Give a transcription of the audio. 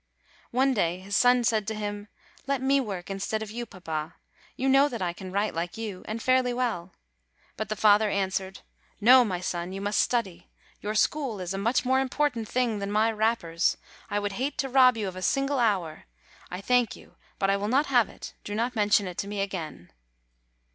One day his son said to him, "Let me work instead of you, papa ; you know that I can write like you, and fairly well." But the father answered: "No, my son, you must study; your school is a much more important thing than my wrappers; I would hate to rob you of a single hour; I thank you, but I will not have it; do not mention it to me again."